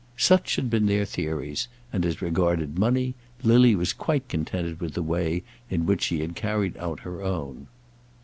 Such had been their theories; and as regarded money, Lily was quite contented with the way in which she had carried out her own.